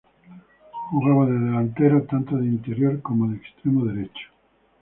Jugaba de delantero, tanto de interior como de extremo derecho.